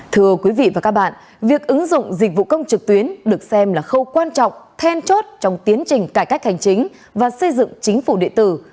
thưa quý vị và các bạn việc ứng dụng dịch vụ công trực tuyến được xem là khâu quan trọng then chốt trong tiến trình cải cách hành chính và xây dựng chính phủ địa tử